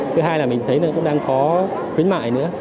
thứ hai là mình thấy cũng đang có khuyến mại nữa